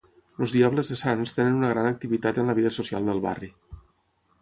Els diables de Sants tenen una gran activitat en la vida social del barri.